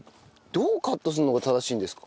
どうカットするのが正しいんですか？